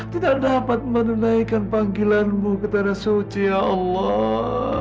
tidak dapat menunaikan panggilan mu ke tanah suci ya allah